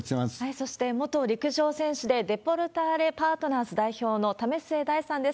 そして、元陸上選手でデポルターズパートナーズ代表の、為末大さんです。